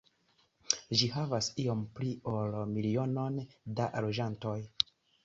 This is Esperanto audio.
Ĝi havas iom pli ol milionon da loĝantoj.